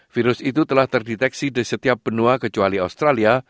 virus itu telah terdeteksi di setiap benua kecuali australia